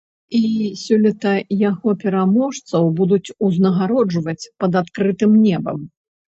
І сёлета яго пераможцаў будуць узнагароджваць пад адкрытым небам.